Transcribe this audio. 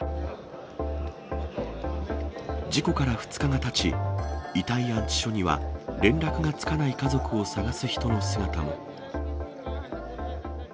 事故から２日がたち、遺体安置所には連絡がつかない家族を捜す人の姿も。